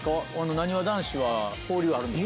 なにわ男子は交流あるんですか？